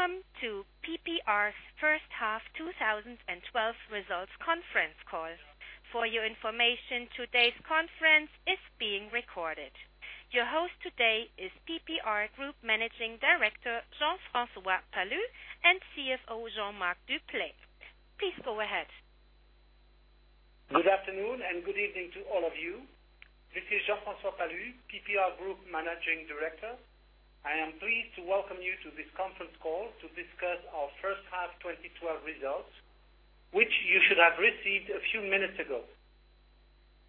Welcome to PPR's first half 2012 results conference call. For your information, today's conference is being recorded. Your host today is PPR Group Managing Director, Jean-François Palus, and CFO, Jean-Marc Duplaix. Please go ahead. Good afternoon and good evening to all of you. This is Jean-François Palus, PPR Group Managing Director. I am pleased to welcome you to this conference call to discuss our first half 2012 results, which you should have received a few minutes ago.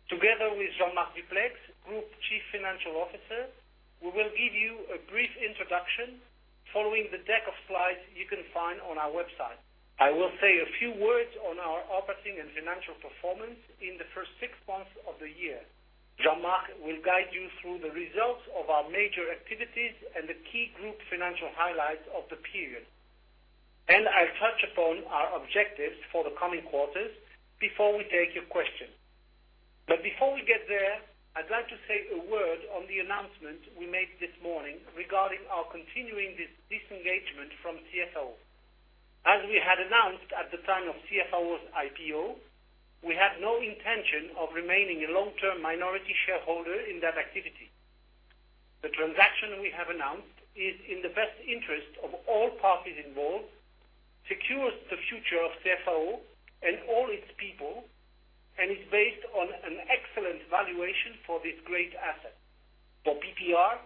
Together with Jean-Marc Duplaix, Group Chief Financial Officer, we will give you a brief introduction following the deck of slides you can find on our website. I will say a few words on our operating and financial performance in the first six months of the year. Jean-Marc will guide you through the results of our major activities and the key group financial highlights of the period. I'll touch upon our objectives for the coming quarters before we take your questions. Before we get there, I'd like to say a word on the announcement we made this morning regarding our continuing disengagement from CFAO. As we had announced at the time of CFAO's IPO, we had no intention of remaining a long-term minority shareholder in that activity. The transaction we have announced is in the best interest of all parties involved, secures the future of CFAO and all its people, and is based on an excellent valuation for this great asset. For PPR,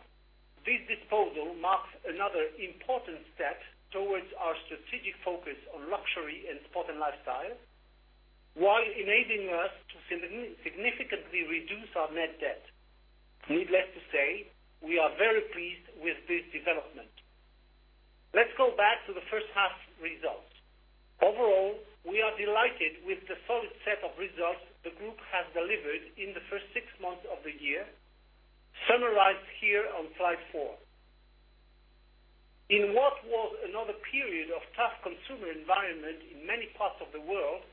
this disposal marks another important step towards our strategic focus on luxury and sport and lifestyle, while enabling us to significantly reduce our net debt. Needless to say, we are very pleased with this development. Let's go back to the first half results. Overall, we are delighted with the solid set of results the group has delivered in the first six months of the year, summarized here on slide four. In what was another period of tough consumer environment in many parts of the world,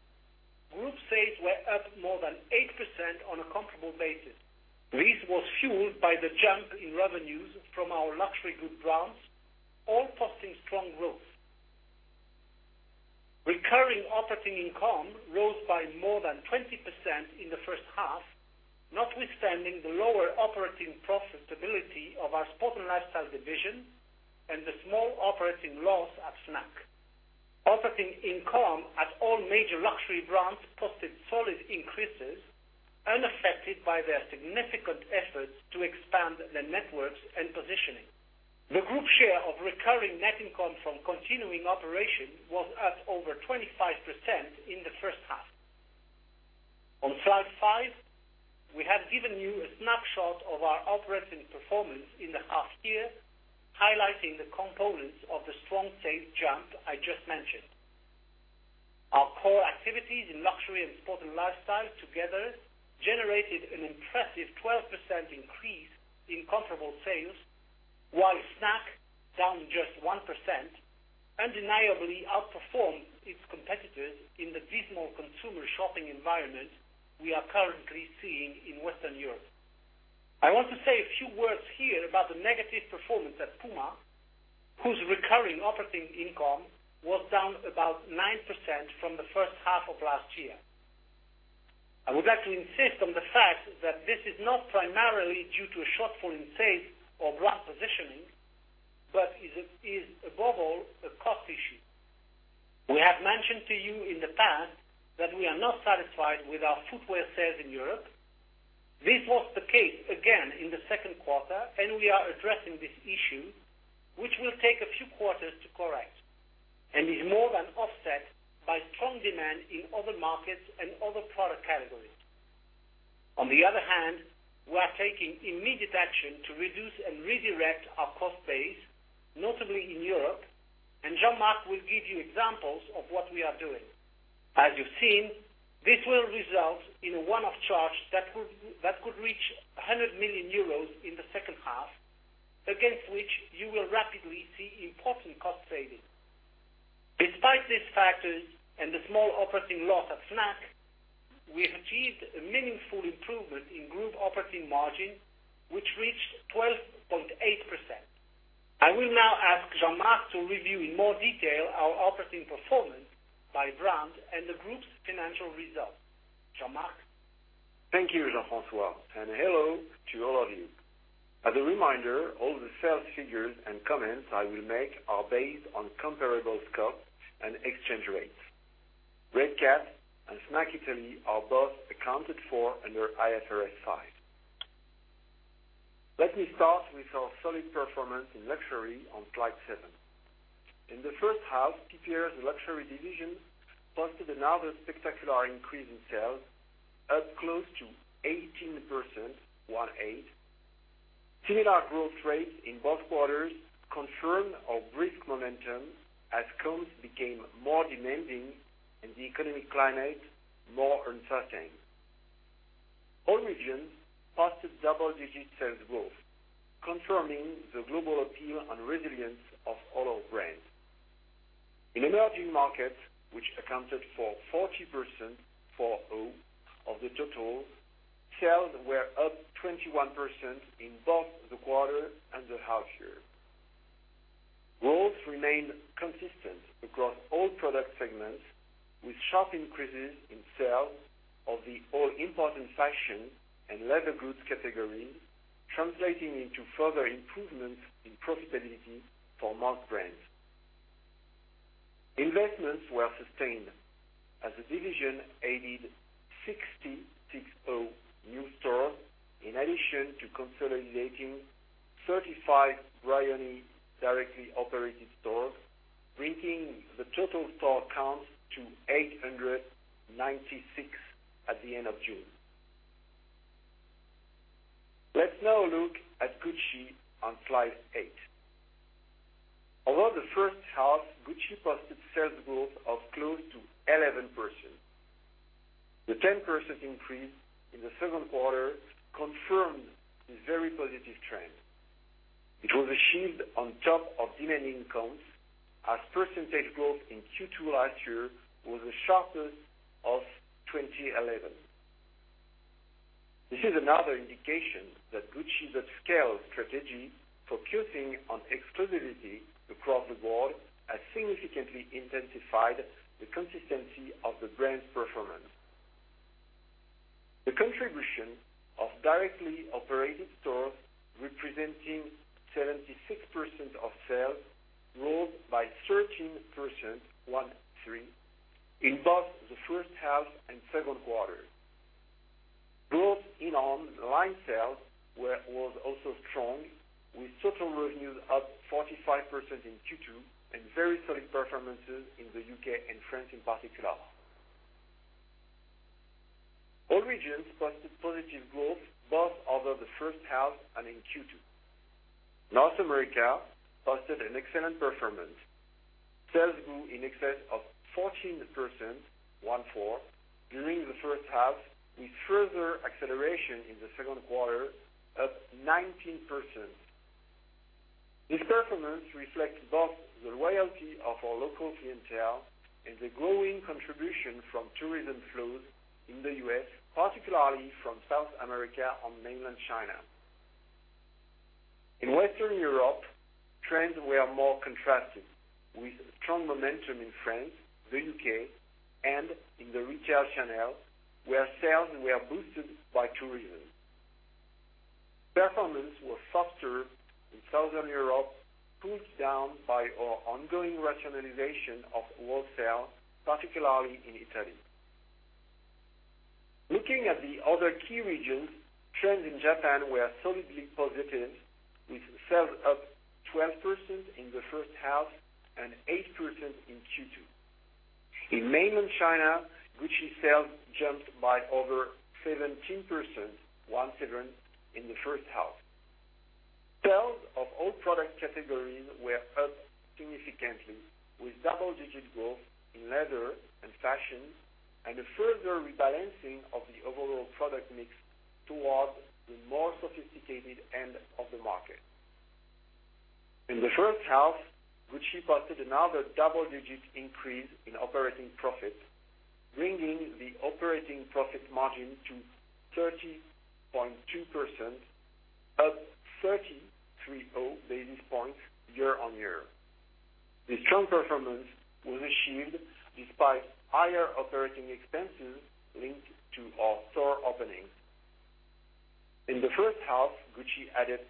group sales were up more than 8% on a comparable basis. This was fueled by the jump in revenues from our luxury good brands, all posting strong growth. Recurring operating income rose by more than 20% in the first half, notwithstanding the lower operating profitability of our sport and lifestyle division and the small operating loss at Fnac. Operating income at all major luxury brands posted solid increases, unaffected by their significant efforts to expand their networks and positioning. The group share of recurring net income from continuing operation was up over 25% in the first half. On slide five, we have given you a snapshot of our operating performance in the half year, highlighting the components of the strong sales jump I just mentioned. Our core activities in luxury and sport and lifestyle together generated an impressive 12% increase in comparable sales, while Fnac, down just 1%, undeniably outperformed its competitors in the dismal consumer shopping environment we are currently seeing in Western Europe. I want to say a few words here about the negative performance at Puma, whose recurring operating income was down about 9% from the first half of last year. I would like to insist on the fact that this is not primarily due to a shortfall in sales or brand positioning, but is above all a cost issue. We have mentioned to you in the past that we are not satisfied with our footwear sales in Europe. This was the case again in the second quarter, and we are addressing this issue, which will take a few quarters to correct and is more than offset by strong demand in other markets and other product categories. On the other hand, we are taking immediate action to reduce and redirect our cost base, notably in Europe, and Jean-Marc will give you examples of what we are doing. As you've seen, this will result in a one-off charge that could reach 100 million euros in the second half, against which you will rapidly see important cost savings. Despite these factors and the small operating loss at Fnac, we have achieved a meaningful improvement in group operating margin, which reached 12.8%. I will now ask Jean-Marc to review in more detail our operating performance by brand and the group's financial results. Jean-Marc? Thank you, Jean-François, and hello to all of you. As a reminder, all the sales figures and comments I will make are based on comparable scope and exchange rates. Redcats and Fnac Italy are both accounted for under IFRS 5. Let me start with our solid performance in luxury on slide seven. In the first half, PPR's luxury division posted another spectacular increase in sales, up close to 18%, one eight. Similar growth rates in both quarters confirm our brief momentum as clients became more demanding and the economic climate more uncertain. All regions posted double-digit sales growth, confirming the global appeal and resilience of all our brands. In emerging markets, which accounted for 40%, four zero, of the total, sales were up 21% in both the quarter and the half year. Growth remained consistent across all product segments, with sharp increases in sales of the all-important fashion and leather goods categories, translating into further improvements in profitability for marked brands. Investments were sustained as the division added 66 new stores, in addition to consolidating 35 Brioni directly operated stores, bringing the total store count to 896 at the end of June. Let's now look at Gucci on slide eight. Over the first half, Gucci posted sales growth of close to 11%. The 10% increase in the second quarter confirmed the very positive trend, which was achieved on top of demanding comps as percentage growth in Q2 last year was the sharpest of 2011. This is another indication that Gucci's upscale strategy, focusing on exclusivity across the board, has significantly intensified the consistency of the brand's performance. The contribution of directly operated stores representing 76% of sales, rose by 13% in both the first half and second quarter. Growth in online sales was also strong, with total revenues up 45% in Q2 and very solid performances in the U.K. and France in particular. All regions posted positive growth both over the first half and in Q2. North America posted an excellent performance. Sales grew in excess of 14% during the first half, with further acceleration in the second quarter up 19%. This performance reflects both the loyalty of our local clientele and the growing contribution from tourism flows in the U.S., particularly from South America and Mainland China. In Western Europe, trends were more contrasted, with strong momentum in France, the U.K., and in the retail channel, where sales were boosted by tourism. Performance was softer in Southern Europe, pulled down by our ongoing rationalization of wholesale, particularly in Italy. Looking at the other key regions, trends in Japan were solidly positive, with sales up 12% in the first half and 8% in Q2. In Mainland China, Gucci sales jumped by over 17% in the first half. Sales of all product categories were up significantly, with double-digit growth in leather and fashion, and a further rebalancing of the overall product mix towards the more sophisticated end of the market. In the first half, Gucci posted another double-digit increase in operating profit, bringing the operating profit margin to 30.2%, up 33 basis points year-on-year. This strong performance was achieved despite higher operating expenses linked to our store openings. In the first half, Gucci added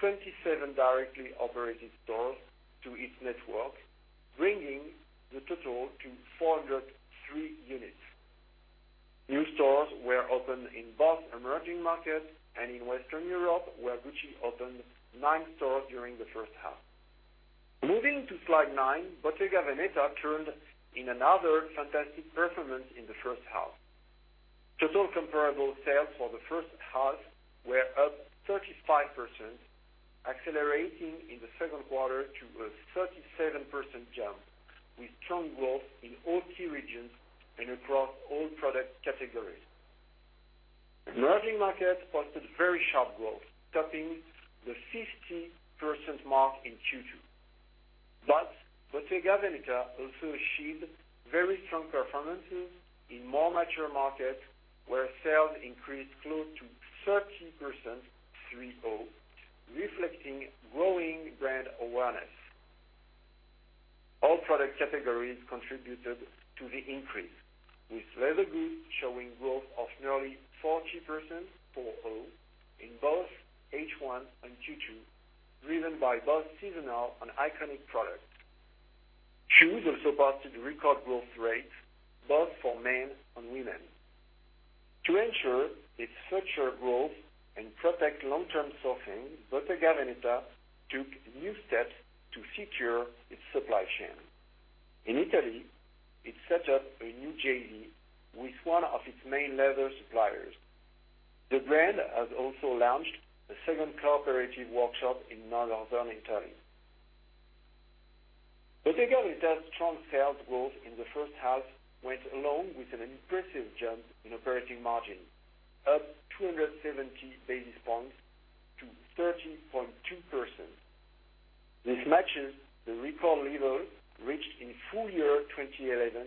27 directly operated stores to its network, bringing the total to 403 units. New stores were opened in both emerging markets and in Western Europe, where Gucci opened nine stores during the first half. Moving to slide nine, Bottega Veneta turned in another fantastic performance in the first half. Total comparable sales for the first half were up 35%, accelerating in the second quarter to a 37% jump, with strong growth in all key regions and across all product categories. Emerging markets posted very sharp growth, topping the 50% mark in Q2. Bottega Veneta also achieved very strong performances in more mature markets where sales increased close to 30%, reflecting growing brand awareness. All product categories contributed to the increase, with leather goods showing growth of nearly 40% in both H1 and Q2, driven by both seasonal and iconic products. Shoes also posted record growth rates both for men and women. To ensure its future growth and protect long-term sourcing, Bottega Veneta took new steps to secure its supply chain. In Italy, it set up a new JV with one of its main leather suppliers. The brand has also launched a second cooperative workshop in Northern Italy. Bottega Veneta's strong sales growth in the first half went along with an impressive jump in operating margin, up 270 basis points 13.2%. This matches the record level reached in full year 2011,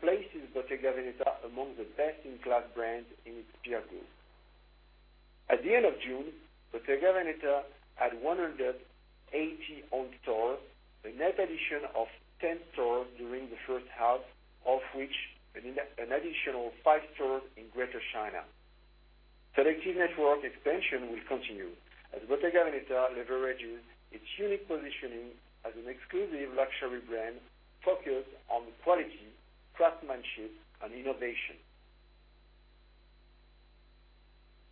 places Bottega Veneta among the best-in-class brands in its peer group. At the end of June, Bottega Veneta had 180 owned stores, a net addition of 10 stores during the first half, of which an additional five stores in Greater China. Selective network expansion will continue as Bottega Veneta leverages its unique positioning as an exclusive luxury brand focused on quality, craftsmanship and innovation.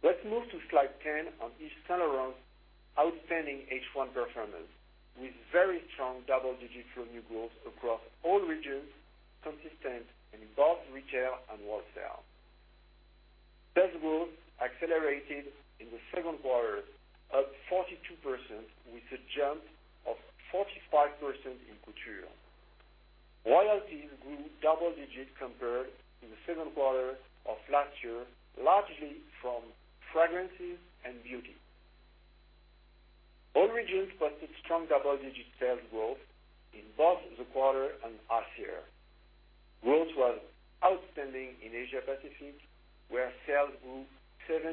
Let's move to slide 10 on Yves Saint Laurent's outstanding H1 performance, with very strong double-digit revenue growth across all regions, consistent in both retail and wholesale. Sales growth accelerated in the second quarter, up 42%, with a jump of 45% in couture. Royalties grew double digits compared to the second quarter of last year, largely from fragrances and beauty. All regions posted strong double-digit sales growth in both the quarter and half year. Growth was outstanding in Asia Pacific, where sales grew 71%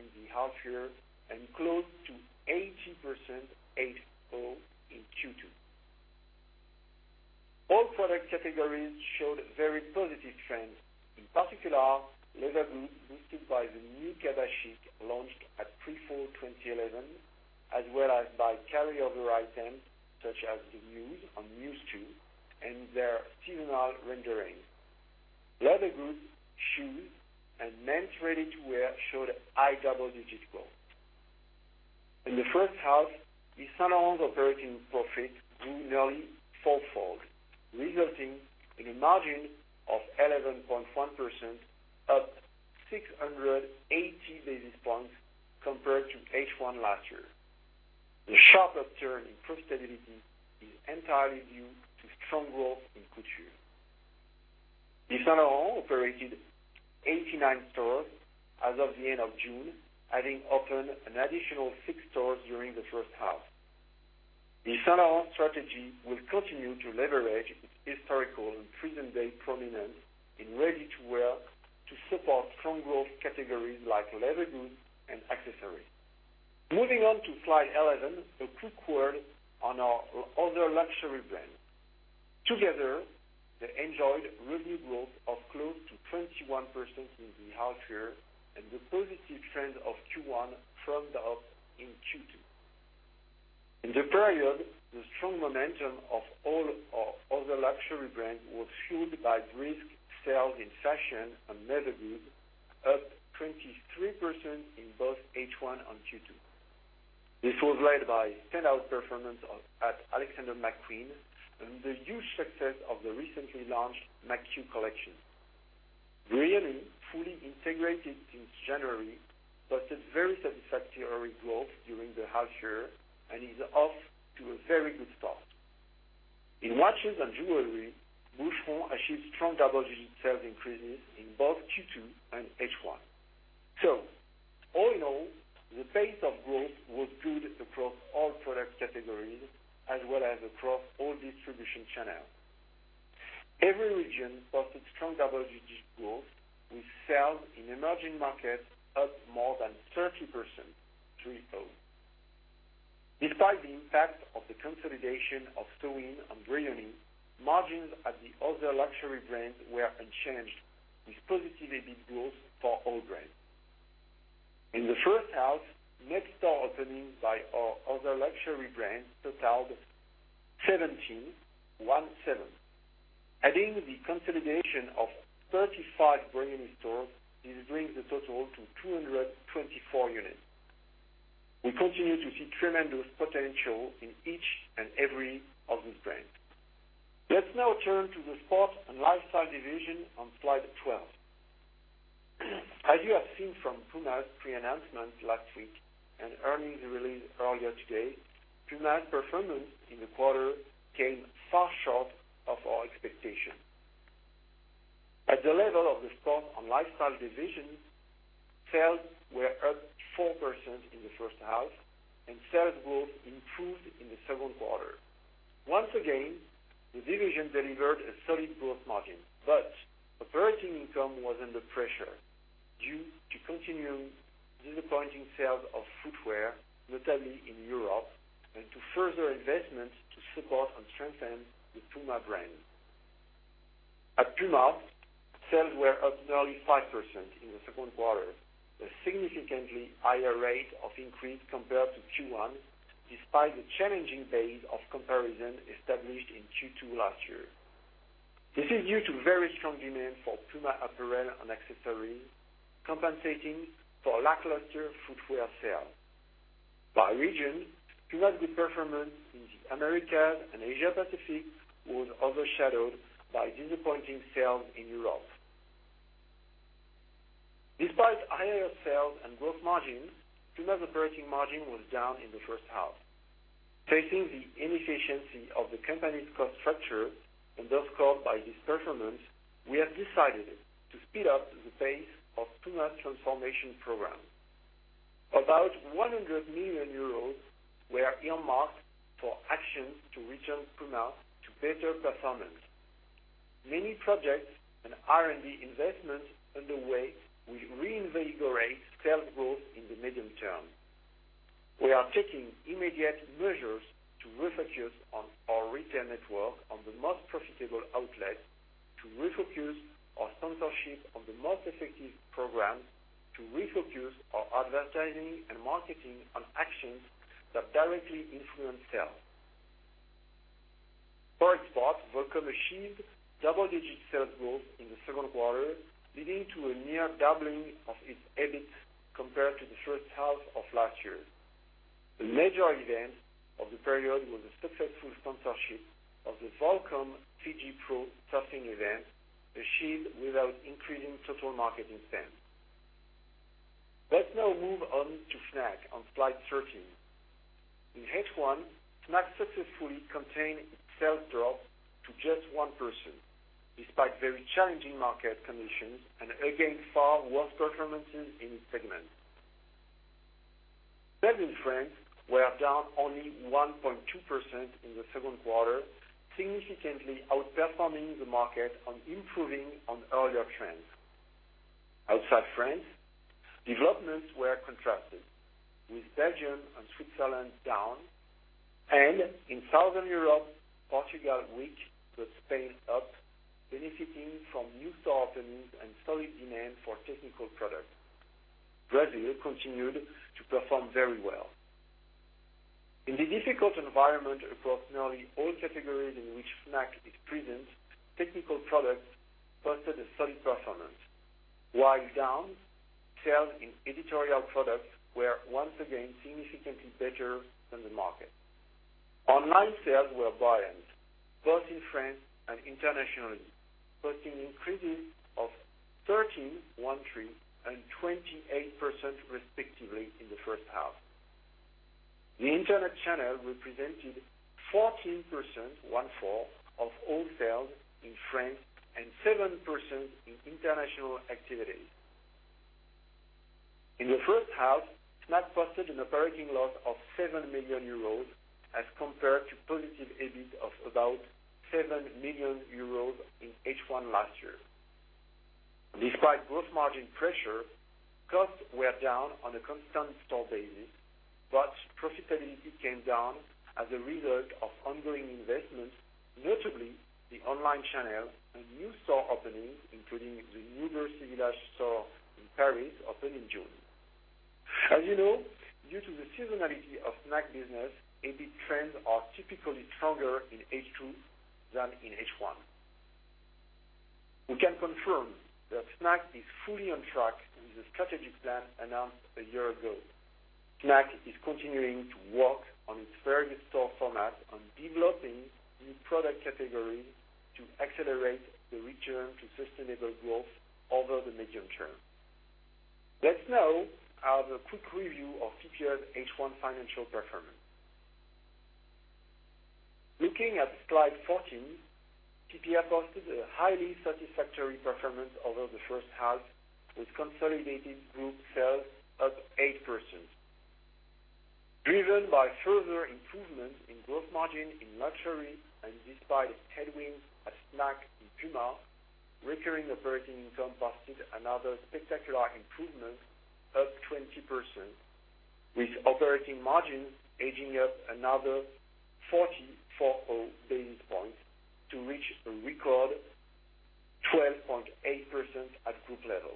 in the half year and close to 80% at store in Q2. All product categories showed very positive trends. In particular, leather goods boosted by the new Cabas Chyc launched at Pre-Fall 2011, as well as by carryover items such as the Muse and Muse Two and their seasonal renderings. Leather goods, shoes, and men's ready-to-wear showed high double-digit growth. In the first half, Yves Saint Laurent's operating profit grew nearly four-fold, resulting in a margin of 11.1%, up 680 basis points compared to H1 last year. The sharp upturn in profitability is entirely due to strong growth in couture. Yves Saint Laurent operated 89 stores as of the end of June, having opened an additional six stores during the first half. The Yves Saint Laurent strategy will continue to leverage its historical and present-day prominence in ready-to-wear to support strong growth categories like leather goods and accessories. Moving on to slide 11, a quick word on our other luxury brands. Together, they enjoyed revenue growth of close to 21% in the half year, and the positive trend of Q1 ramped up in Q2. In the period, the strong momentum of all our other luxury brands was fueled by brisk sales in fashion and leather goods, up 23% in both H1 and Q2. This was led by standout performance at Alexander McQueen and the huge success of the recently launched McQ collection. Brioni, fully integrated since January, posted very satisfactory growth during the half year and is off to a very good start. In watches and jewelry, Boucheron achieved strong double-digit sales increases in both Q2 and H1. All in all, the pace of growth was good across all product categories as well as across all distribution channels. Every region posted strong double-digit growth with sales in emerging markets up more than 30% through it all. Despite the impact of the consolidation of Sowind and Brioni, margins at the other luxury brands were unchanged, with positive EBIT growth for all brands. In the first half, net store openings by our other luxury brands totaled 17. Adding the consolidation of 35 Brioni stores, this brings the total to 224 units. We continue to see tremendous potential in each and every of these brands. Let's now turn to the sport and lifestyle division on slide 12. As you have seen from Puma's pre-announcement last week and earnings release earlier today, Puma's performance in the quarter came far short of our expectations. At the level of the sport and lifestyle division, sales were up 4% in the first half and sales growth improved in the second quarter. Once again, the division delivered a solid growth margin, but operating income was under pressure due to continuing disappointing sales of footwear, notably in Europe, and to further investments to support and strengthen the Puma brand. At Puma, sales were up nearly 5% in the second quarter, a significantly higher rate of increase compared to Q1, despite the challenging base of comparison established in Q2 last year. This is due to very strong demand for Puma apparel and accessories, compensating for lackluster footwear sales. By region, Puma's good performance in the Americas and Asia-Pacific was overshadowed by disappointing sales in Europe. Despite higher sales and growth margins, Puma's operating margin was down in the first half. Facing the inefficiency of the company's cost structure, and thus caught by this performance, we have decided to speed up the pace of Puma's transformation program. About 100 million euros were earmarked for actions to return Puma to better performance. Many projects and R&D investments underway will reinvigorate sales growth in the medium term. We are taking immediate measures to refocus on our retail network on the most profitable outlets, to refocus our sponsorship on the most effective programs, to refocus our advertising and marketing on actions that directly influence sales. For Export, Volcom achieved double-digit sales growth in the second quarter, leading to a near doubling of its EBIT compared to the first half of last year. The major event of the period was the successful sponsorship of the Volcom Fiji Pro Surfing Event, achieved without increasing total marketing spend. Let's now move on to Fnac on slide 13. In H1, Fnac successfully contained its sales drop to just 1%, despite very challenging market conditions and against far worse performances in its segment. Sales in France were down only 1.2% in the second quarter, significantly outperforming the market and improving on earlier trends. Outside France, developments were contrasted, with Belgium and Switzerland down, and in Southern Europe, Portugal weak, but Spain up, benefiting from new store openings and solid demand for technical products. Brazil continued to perform very well. In the difficult environment across nearly all categories in which Fnac is present, technical products posted a solid performance, while down, sales in editorial products were once again significantly better than the market. Online sales were buoyant, both in France and internationally, posting increases of 13% and 28%, respectively, in the first half. The internet channel represented 14% of all sales in France and 7% in international activities. In the first half, Fnac posted an operating loss of 7 million euros as compared to positive EBIT of about 7 million euros in H1 last year. Despite growth margin pressure, costs were down on a constant store basis, but profitability came down as a result of ongoing investments, notably the online channel and new store openings, including the Bercy Village store in Paris, opened in June. As you know, due to the seasonality of Fnac business, EBIT trends are typically stronger in H2 than in H1. We can confirm that Fnac is fully on track with the strategic plan announced a year ago. Fnac is continuing to work on its various store formats on developing new product categories to accelerate the return to sustainable growth over the medium term. Let's now have a quick review of PPR's H1 financial performance. Looking at slide 14, PPR posted a highly satisfactory performance over the first half, with consolidated group sales up 8%. Driven by further improvements in gross margin in luxury and despite headwinds at Fnac in Puma, recurring operating income posted another spectacular improvement up 20%, with operating margins edging up another 40, four, O, basis points to reach a record 12.8% at group level.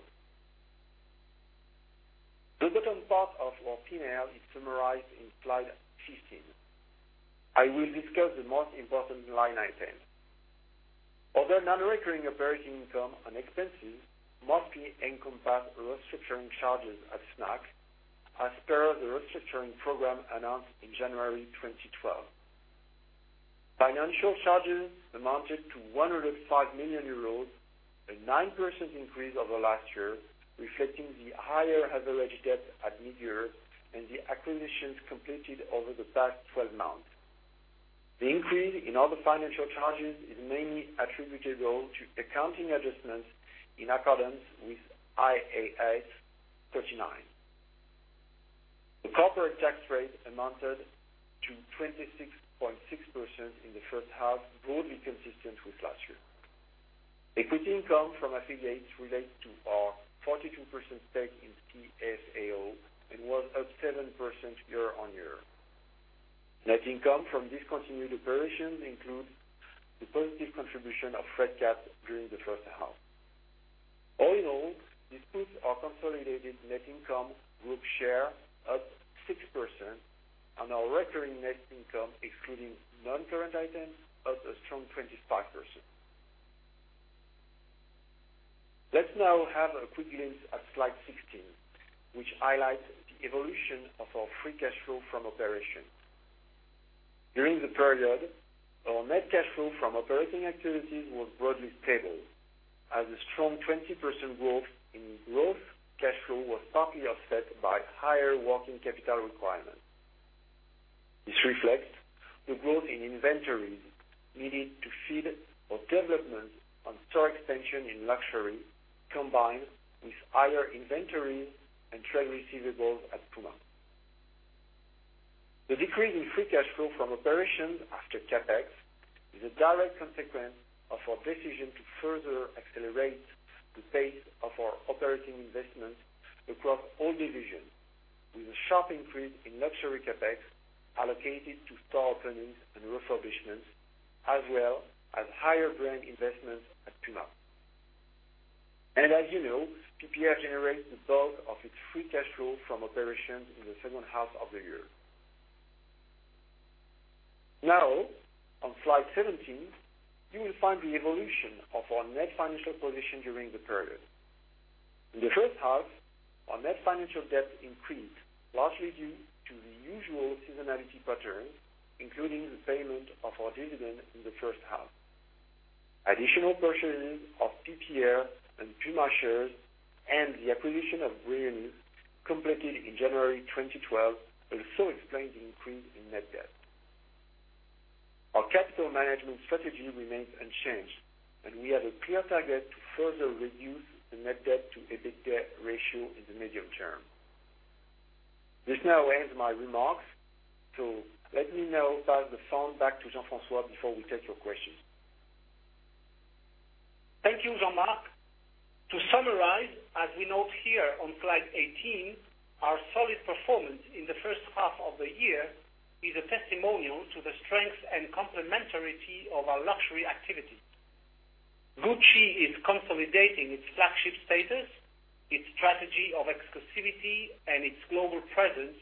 The bottom part of our P&L is summarized in slide 15. I will discuss the most important line items. Other non-recurring operating income and expenses mostly encompass restructuring charges at Fnac as per the restructuring program announced in January 2012. Financial charges amounted to 105 million euros, a 9% increase over last year, reflecting the higher average debt at mid-year and the acquisitions completed over the past 12 months. The increase in all the financial charges is mainly attributable to accounting adjustments in accordance with IAS 39. The corporate tax rate amounted to 26.6% in the first half, broadly consistent with last year. Equity income from affiliates relates to our 42% stake in CFAO and was up 7% year-on-year. Net income from discontinued operations includes the positive contribution of Fred K during the first half. All in all, this puts our consolidated net income group share up 6% and our recurring net income, excluding non-current items, up a strong 25%. Let's now have a quick glimpse at slide 16, which highlights the evolution of our free cash flow from operations. During the period, our net cash flow from operating activities was broadly stable. As a strong 20% growth in gross cash flow was partly offset by higher working capital requirements. This reflects the growth in inventories needed to feed our development on store expansion in luxury, combined with higher inventories and trade receivables at Puma. The decrease in free cash flow from operations after CapEx is a direct consequence of our decision to further accelerate the pace of our operating investments across all divisions, with a sharp increase in luxury CapEx allocated to store openings and refurbishments, as well as higher brand investments at Puma. As you know, PPR generates the bulk of its free cash flow from operations in the second half of the year. Now, on slide 17, you will find the evolution of our net financial position during the period. In the first half, our net financial debt increased, largely due to the usual seasonality patterns, including the payment of our dividend in the first half. Additional purchases of PPR and Puma shares and the acquisition of Brioni completed in January 2012 also explained the increase in net debt. Our capital management strategy remains unchanged. We have a clear target to further reduce the net debt to EBITDA ratio in the medium term. This now ends my remarks. Let me now pass the phone back to Jean-François before we take your questions. Thank you, Jean-Marc. To summarize, as we note here on slide 18, our solid performance in the first half of the year is a testimonial to the strength and complementarity of our luxury activity. Gucci is consolidating its flagship status, its strategy of exclusivity, and its global presence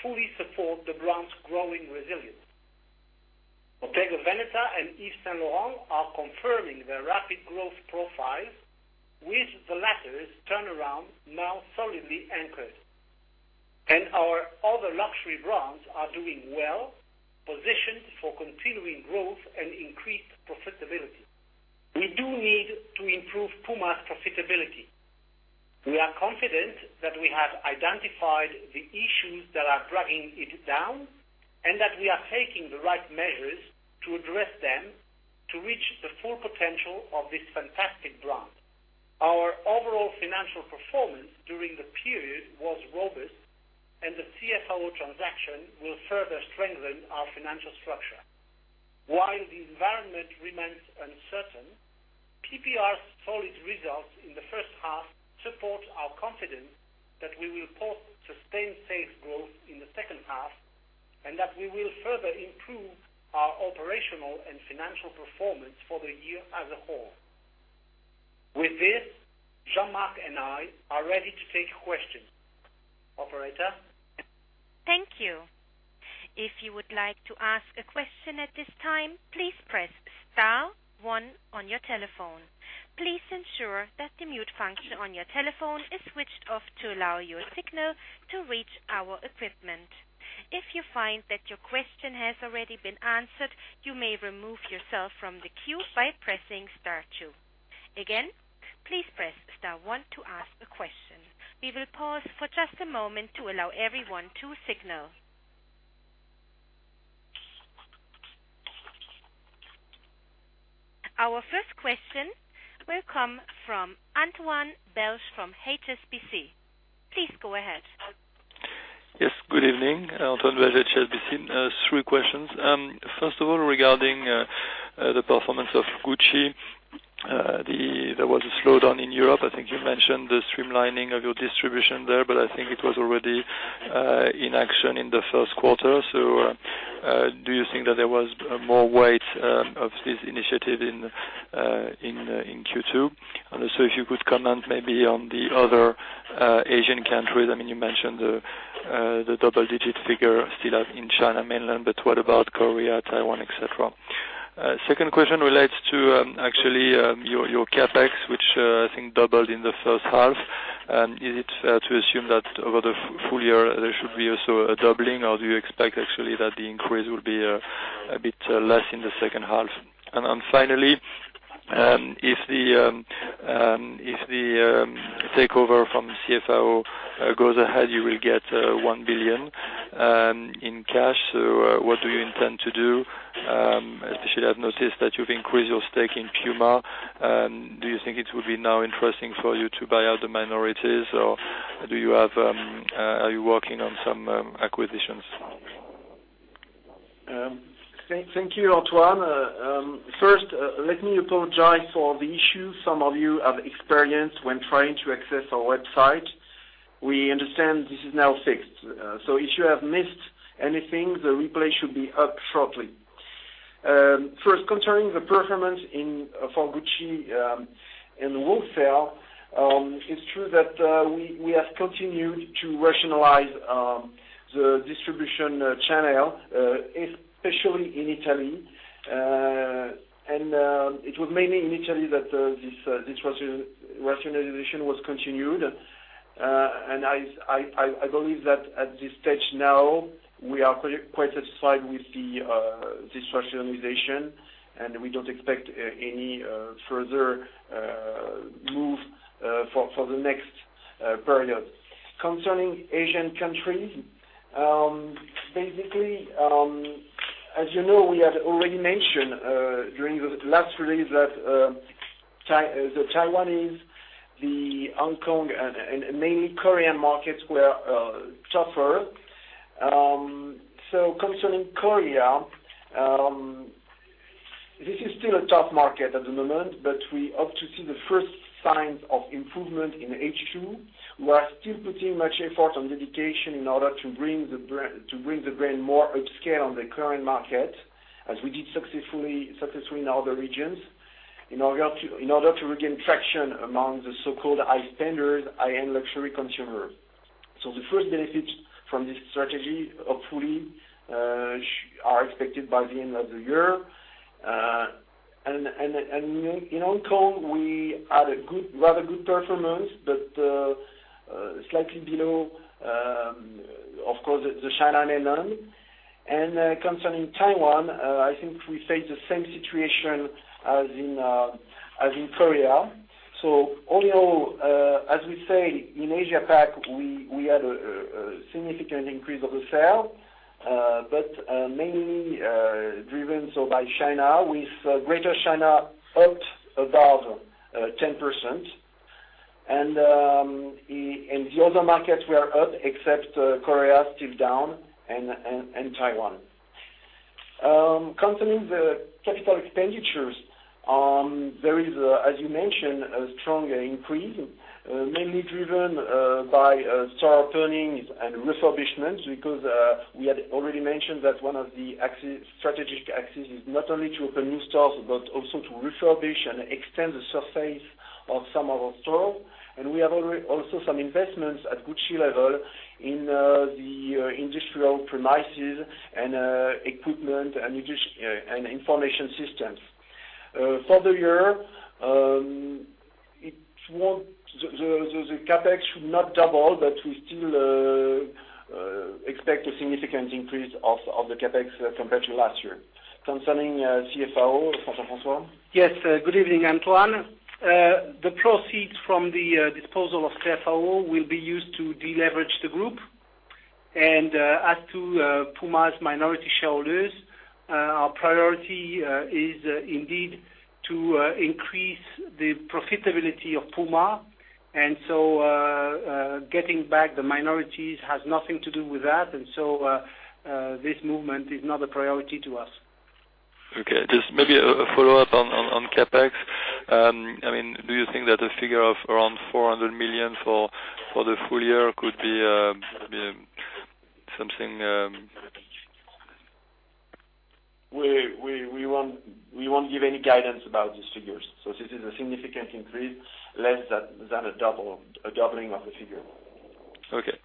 fully support the brand's growing resilience. Bottega Veneta and Yves Saint Laurent are confirming their rapid growth profiles, with the latter's turnaround now solidly anchored. Our other luxury brands are doing well, positioned for continuing growth and increased profitability. We do need to improve Puma's profitability. We are confident that we have identified the issues that are dragging it down, and that we are taking the right measures to address them to reach the full potential of this fantastic brand. Our overall financial performance during the period was robust, and the CFAO transaction will further strengthen our financial structure. While the environment remains uncertain, PPR's solid results in the first half support our confidence that we will post sustained sales growth in the second half, and that we will further improve our operational and financial performance for the year as a whole. With this, Jean-Marc and I are ready to take questions. Operator? Thank you. If you would like to ask a question at this time, please press star one on your telephone. Please ensure that the mute function on your telephone is switched off to allow your signal to reach our equipment. If you find that your question has already been answered, you may remove yourself from the queue by pressing star two. Again, please press star one to ask a question. We will pause for just a moment to allow everyone to signal. Our first question will come from Antoine Belge from HSBC. Please go ahead. Yes, good evening. Antoine Belge, HSBC. Three questions. First of all, regarding the performance of Gucci. There was a slowdown in Europe. I think you mentioned the streamlining of your distribution there, but I think it was already in action in the first quarter. Do you think that there was more weight of this initiative in Q2? Also, if you could comment maybe on the other Asian countries. You mentioned the double-digit figure still out in China mainland, but what about Korea, Taiwan, et cetera? Second question relates to actually your CapEx, which I think doubled in the first half. Is it to assume that over the full year, there should be also a doubling, or do you expect actually that the increase will be a bit less in the second half? Finally, if the takeover from CFAO goes ahead, you will get 1 billion in cash. What do you intend to do? Especially, I've noticed that you've increased your stake in Puma. Do you think it will be now interesting for you to buy out the minorities, or are you working on some acquisitions? Thank you, Antoine. First, let me apologize for the issue some of you have experienced when trying to access our website. We understand this is now fixed. If you have missed anything, the replay should be up shortly. First, concerning the performance for Gucci in wholesale, it's true that we have continued to rationalize the distribution channel, especially in Italy. It was mainly in Italy that this rationalization was continued, and I believe that at this stage now, we are quite satisfied with this rationalization, we don't expect any further move for the next period. Concerning Asian countries, basically, as you know, we had already mentioned during the last release that the Taiwanese, the Hong Kong, and mainly Korean markets were tougher. Concerning Korea, this is still a tough market at the moment, but we hope to see the first signs of improvement in H2. We are still putting much effort on dedication in order to bring the brand more upscale on the current market, as we did successfully in other regions, in order to regain traction among the so-called high spenders, high-end luxury consumer. The first benefit from this strategy, hopefully, are expected by the end of the year. In Hong Kong, we had a rather good performance, but slightly below, of course, the mainland China. Concerning Taiwan, I think we face the same situation as in Korea. All in all, as we say in Asia-Pac, we had a significant increase of the sale, but mainly driven so by China, with Greater China up above 10%. The other markets were up except Korea, still down, and Taiwan. Concerning the capital expenditures, there is, as you mentioned, a strong increase, mainly driven by store openings and refurbishments, because we had already mentioned that one of the strategic axes is not only to open new stores, but also to refurbish and extend the surface of some of our stores. We have also some investments at Gucci level in the industrial premises and equipment and information systems. For the year, the CapEx should not double, but we still expect a significant increase of the CapEx compared to last year. Concerning CFAO, Jean-François Yes. Good evening, Antoine. The proceeds from the disposal of CFAO will be used to deleverage the group. As to Puma's minority shareholders, our priority is indeed to increase the profitability of Puma, getting back the minorities has nothing to do with that. This movement is not a priority to us. Okay. Just maybe a follow-up on CapEx. Do you think that a figure of around 400 million for the full year could be something? We won't give any guidance about these figures. This is a significant increase, less than a doubling of the figure. Okay.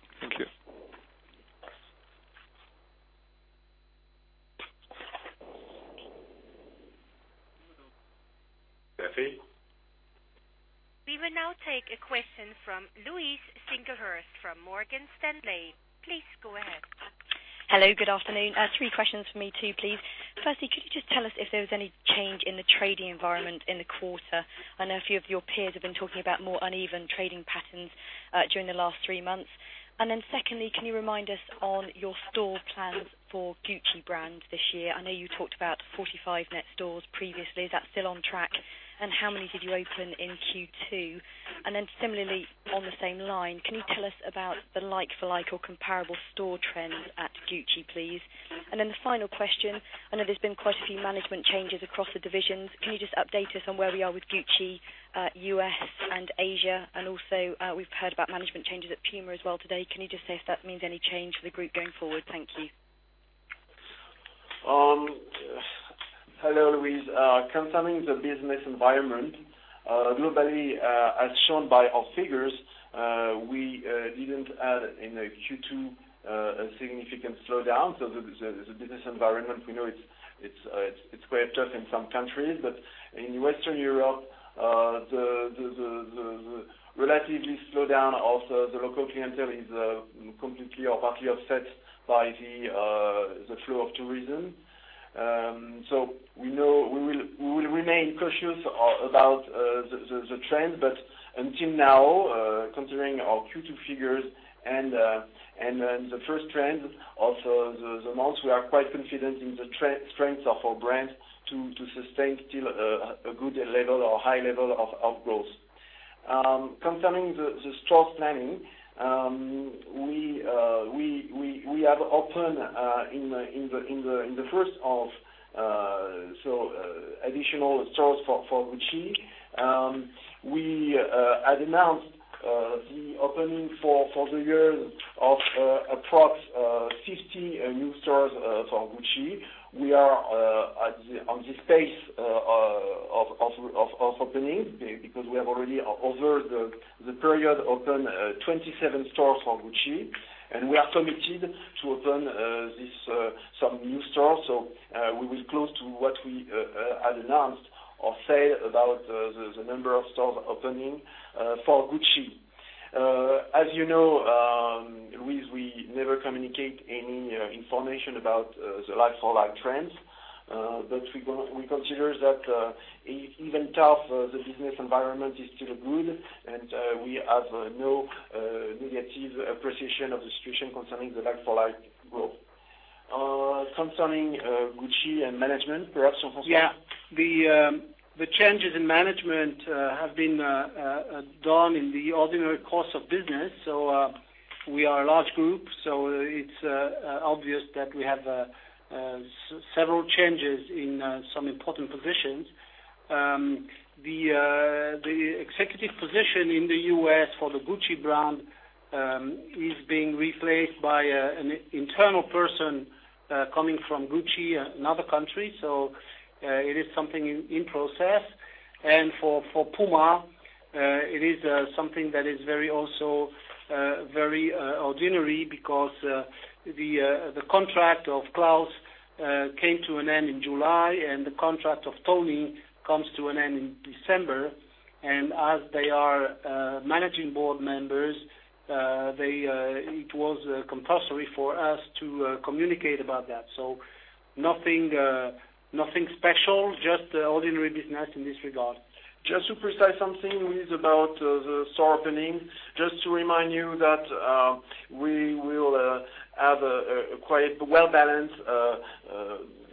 Thank you. Peppy? We will now take a question from Louise Singlehurst from Morgan Stanley. Please go ahead. Hello. Good afternoon. Three questions from me too, please. Firstly, could you just tell us if there was any change in the trading environment in the quarter? I know a few of your peers have been talking about more uneven trading patterns during the last three months. Secondly, can you remind us on your store plans for Gucci brand this year? I know you talked about 45 net stores previously. Is that still on track? How many did you open in Q2? Similarly on the same line, can you tell us about the like for like or comparable store trends at Gucci, please? The final question, I know there's been quite a few management changes across the divisions. Can you just update us on where we are with Gucci, U.S., and Asia? Also, we've heard about management changes at Puma as well today. Can you just say if that means any change for the group going forward? Thank you. Hello, Louise. Concerning the business environment, globally, as shown by our figures, we didn't add in the Q2 a significant slowdown. The business environment, we know it's quite tough in some countries, but in Western Europe, the relatively slow down of the local clientele is completely or partly offset by the flow of tourism. We will remain cautious about the trend, but until now, considering our Q2 figures and the first trend of the months, we are quite confident in the strength of our brands to sustain still a good level or high level of growth. Concerning the store planning, we have opened in the first half additional stores for Gucci. We had announced the opening for the year of approx. 60 new stores for Gucci. We are on the space of openings because we have already, over the period, opened 27 stores for Gucci, and we are committed to open some new stores. We will close to what we had announced or said about the number of stores opening for Gucci. As you know, we never communicate any information about the like-for-like trends. We consider that even though the business environment is still good, and we have no negative appreciation of the situation concerning the like-for-like growth. Concerning Gucci and management, perhaps François? Yeah. The changes in management have been done in the ordinary course of business. We are a large group, so it's obvious that we have several changes in some important positions. The executive position in the U.S. for the Gucci brand, is being replaced by an internal person coming from Gucci, another country. It is something in process. For Puma, it is something that is also very ordinary because the contract of Klaus came to an end in July, and the contract of Tony comes to an end in December. As they are managing board members, it was compulsory for us to communicate about that. Nothing special, just ordinary business in this regard. Just to precise something, which is about the store opening. Just to remind you that we will have a quite well-balanced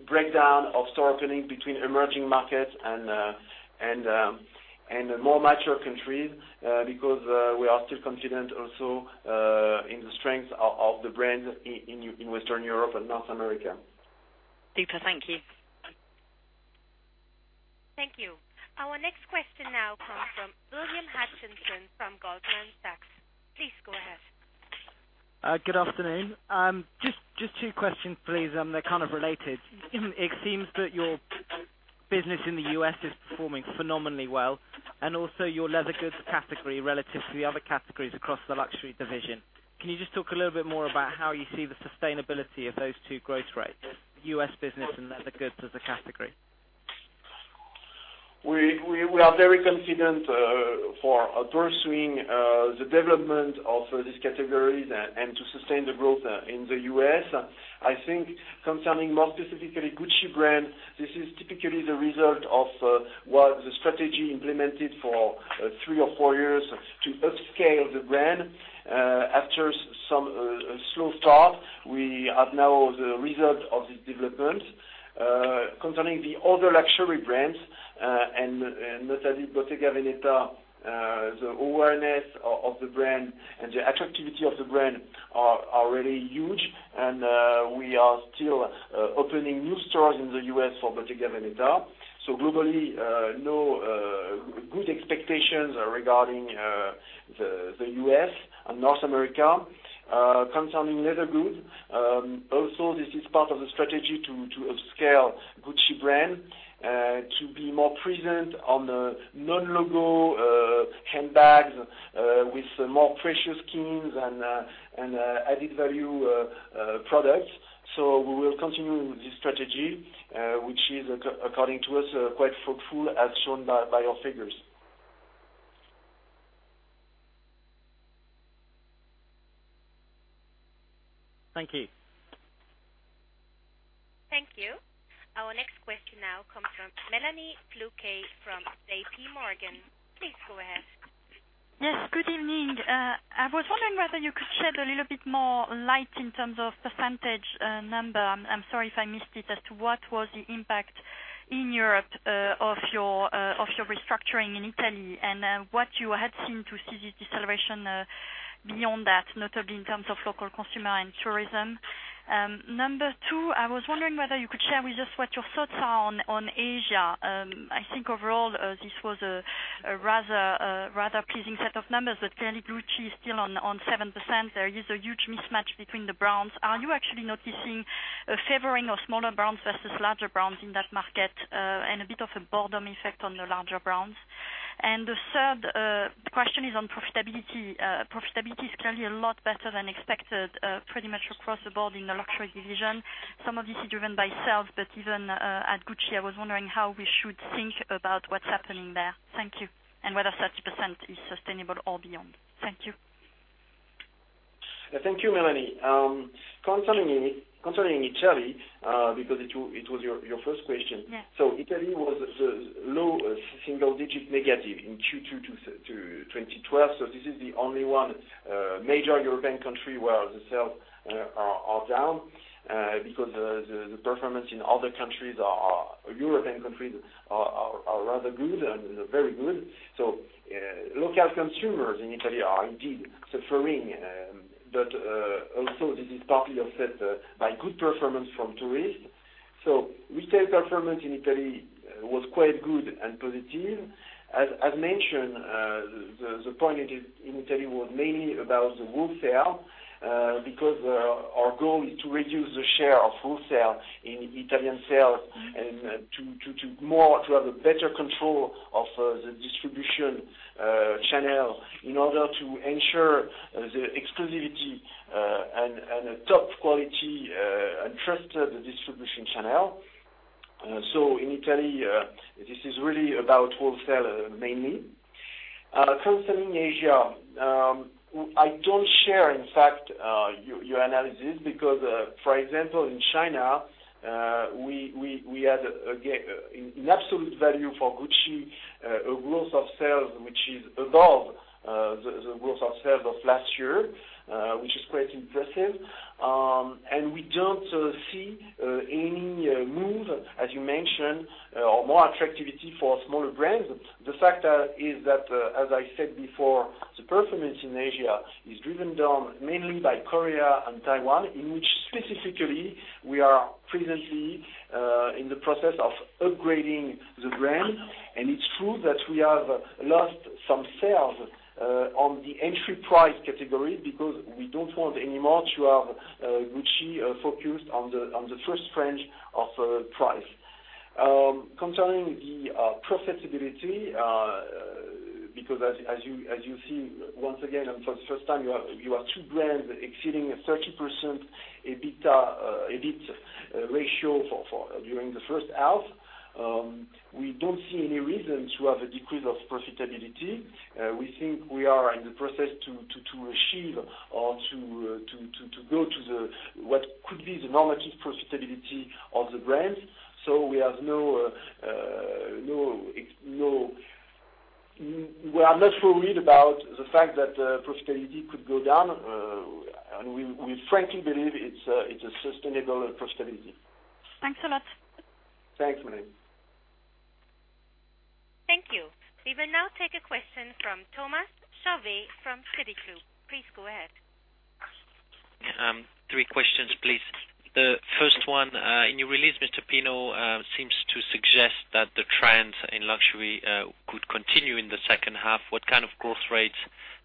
breakdown of store opening between emerging markets and more mature countries, because we are still confident also in the strength of the brand in Western Europe and North America. Deepa, thank you. Thank you. Our next question now comes from William Hutchings from Goldman Sachs. Please go ahead. Good afternoon. Just two questions, please. They are kind of related. It seems that your business in the U.S. is performing phenomenally well, and also your leather goods category relative to the other categories across the luxury division. Can you just talk a little bit more about how you see the sustainability of those two growth rates, U.S. business and leather goods as a category? We are very confident for pursuing the development of these categories and to sustain the growth in the U.S. I think concerning more specifically Gucci brand, this is typically the result of what the strategy implemented for three or four years to upscale the brand. After some slow start, we have now the result of this development. Concerning the other luxury brands, notably Bottega Veneta, the awareness of the brand and the activity of the brand are really huge. We are still opening new stores in the U.S. for Bottega Veneta. Globally, good expectations regarding the U.S. and North America. Concerning leather goods, also this is part of the strategy to upscale Gucci brand, to be more present on the non-logo handbags with more precious skins and added-value products. We will continue with this strategy, which is, according to us, quite fruitful, as shown by our figures. Thank you. Thank you. Our next question now comes from Mélanie Flouquet from JP Morgan. Please go ahead. Yes, good evening. I was wondering whether you could shed a little bit more light in terms of percentage number, I'm sorry if I missed it, as to what was the impact in Europe of your restructuring in Italy and what you had seen to see the deceleration beyond that, notably in terms of local consumer and tourism. Number 2, I was wondering whether you could share with us what your thoughts are on Asia. I think overall, this was a rather pleasing set of numbers. Clearly, Gucci is still on 7%. There is a huge mismatch between the brands. Are you actually noticing a favoring of smaller brands versus larger brands in that market, and a bit of a boredom effect on the larger brands? The third question is on profitability. Profitability is clearly a lot better than expected, pretty much across the board in the luxury division. Some of this is driven by sales, but even at Gucci, I was wondering how we should think about what's happening there. Thank you. Whether 30% is sustainable or beyond. Thank you. Thank you, Mélanie. Concerning Italy, because it was your first question. Yes. Italy was the low single digit negative in Q2 2012. This is the only one major European country where the sales are down, because the performance in other European countries are rather good and very good. Local consumers in Italy are indeed suffering. Also this is partly offset by good performance from tourists. Retail performance in Italy was quite good and positive. As mentioned, the point in Italy was mainly about the wholesale, because our goal is to reduce the share of wholesale in Italian sales and to have a better control of the distribution channel in order to ensure the exclusivity and a top quality and trusted distribution channel. In Italy, this is really about wholesale mainly. Concerning Asia, I don't share, in fact, your analysis because, for example, in China, we had, again, an absolute value for Gucci, a growth of sales, which is above the growth of sales of last year, which is quite impressive. We don't see any move, as you mentioned, or more activity for smaller brands. The fact is that, as I said before, the performance in Asia is driven down mainly by Korea and Taiwan, in which specifically we are presently in the process of upgrading the brand. It's true that we have lost some sales on the entry price category because we don't want anymore to have Gucci focused on the first range of price. Concerning the profitability, because as you see, once again, for the first time, you have two brands exceeding a 30% EBIT ratio during the first half. We don't see any reason to have a decrease of profitability. We think we are in the process to achieve or to go to what could be the normative profitability of the brands. We are not worried about the fact that profitability could go down, and we frankly believe it's a sustainable profitability. Thanks a lot. Thanks, Mélanie. Thank you. We will now take a question from Thomas Chauvet from Citi Suisse. Please go ahead. Three questions, please. The first one, in your release, Mr. Pinault, seems to suggest that the trends in luxury could continue in the second half. What kind of growth rates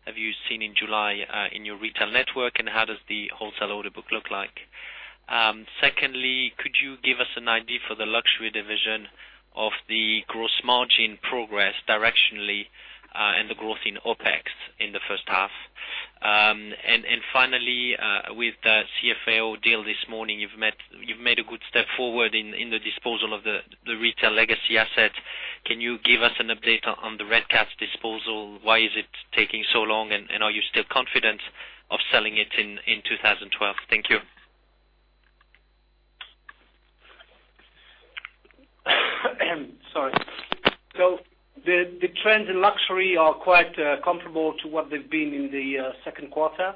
have you seen in July in your retail network, and how does the wholesale order book look like? Secondly, could you give us an idea for the luxury division of the gross margin progress directionally and the growth in OpEx in the first half? Finally, with the CFAO deal this morning, you've made a good step forward in the disposal of the retail legacy asset. Can you give us an update on the Redcats disposal? Why is it taking so long, and are you still confident of selling it in 2012? Thank you. Sorry. The trends in luxury are quite comparable to what they've been in the second quarter.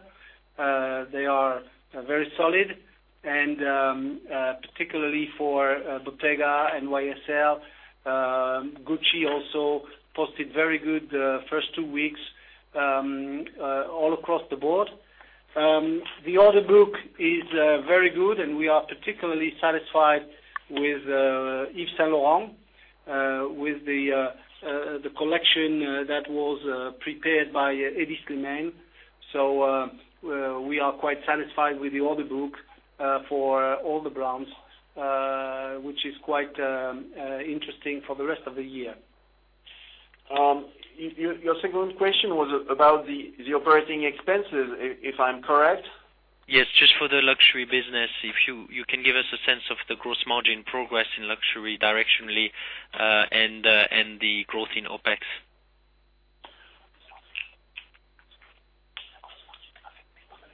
They are very solid, particularly for Bottega and YSL. Gucci also posted very good first 2 weeks all across the board. The order book is very good, we are particularly satisfied with Yves Saint Laurent with the collection that was prepared by Hedi Slimane. We are quite satisfied with the order book for all the brands, which is quite interesting for the rest of the year. Your second question was about the operating expenses, if I'm correct? Yes, just for the luxury business. If you can give us a sense of the gross margin progress in luxury directionally, the growth in OpEx.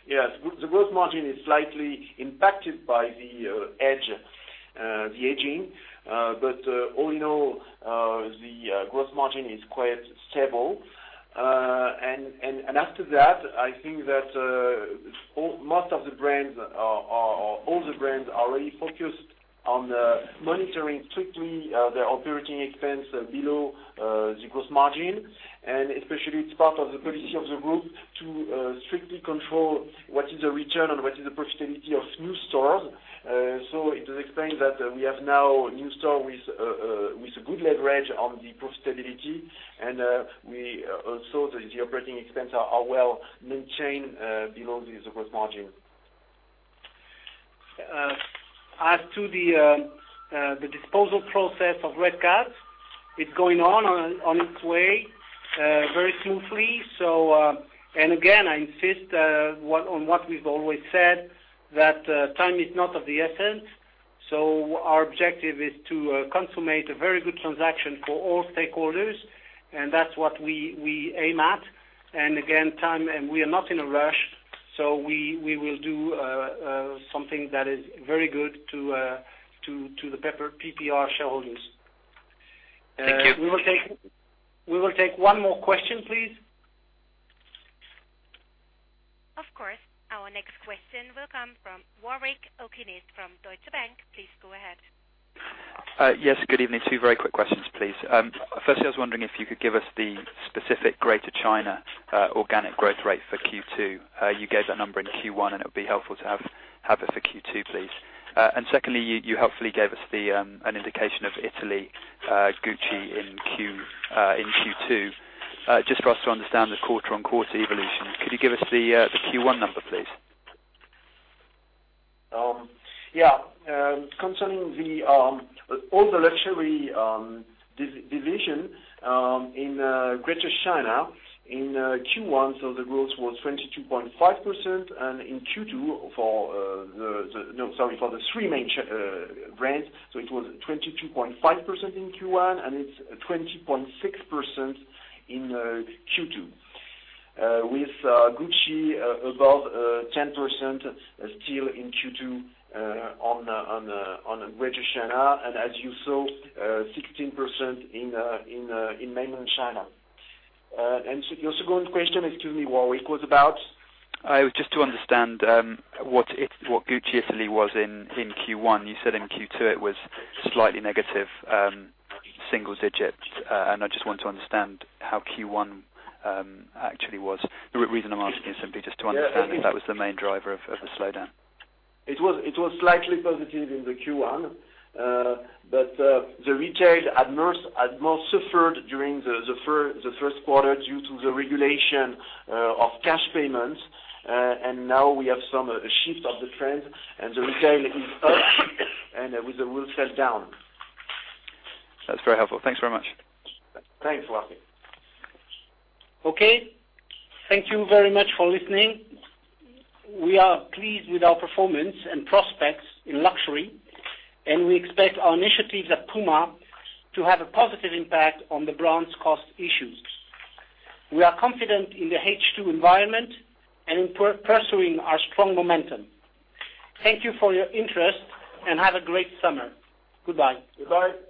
Yes. The gross margin is slightly impacted by the aging. All in all, the gross margin is quite stable. After that, I think that all the brands are really focused on monitoring strictly their operating expense below the gross margin. Especially, it's part of the policy of the group to strictly control what is the return and what is the profitability of new stores. It explains that we have now a new store with a good leverage on the profitability. Also, the operating expenses are well maintained below the gross margin. As to the disposal process of Redcats, it's going on its way very smoothly. Again, I insist on what we've always said, that time is not of the essence. Our objective is to consummate a very good transaction for all stakeholders, that's what we aim at. Again, we are not in a rush, we will do something that is very good to the PPR shareholders. Thank you. We will take one more question, please. Of course. Our next question will come from Warwick Okines from Deutsche Bank. Please go ahead. Yes, good evening. Two very quick questions, please. Firstly, I was wondering if you could give us the specific Greater China organic growth rate for Q2. You gave that number in Q1, and it would be helpful to have it for Q2, please. Secondly, you helpfully gave us an indication of Italy Gucci in Q2. Just for us to understand the quarter-on-quarter evolution, could you give us the Q1 number, please? Yeah. Concerning all the luxury division in Greater China in Q1, the growth was 22.5%. In Q2 for the three main brands, it was 22.5% in Q1, and it's 20.6% in Q2. With Gucci above 10% still in Q2 on Greater China, and as you saw, 16% in Mainland China. Your second question, excuse me, Warwick, was about? Just to understand what Gucci Italy was in Q1. You said in Q2 it was slightly negative, single digit. I just want to understand how Q1 actually was. The reason I'm asking is simply just to understand if that was the main driver of the slowdown. It was slightly positive in the Q1. The retail had more suffered during the first quarter due to the regulation of cash payments. Now we have some shift of the trend, and the retail is up, and with the wholesale down. That's very helpful. Thanks very much. Thanks, Warwick. Okay. Thank you very much for listening. We are pleased with our performance and prospects in luxury, and we expect our initiatives at Puma to have a positive impact on the brand's cost issues. We are confident in the H2 environment and in pursuing our strong momentum. Thank you for your interest, and have a great summer. Goodbye. Goodbye.